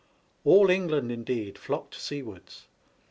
All England indeed flocked seawards.